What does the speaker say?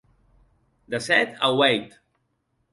De sèt a ueit.